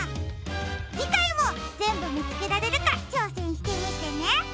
じかいもぜんぶみつけられるかちょうせんしてみてね。